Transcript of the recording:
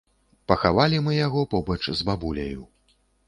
Пахавалі мы яго побач з бабуляю.